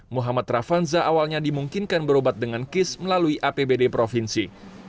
muhammad ravanza awalnya dimungkinkan berobat dengan kis melalui apbd provinsi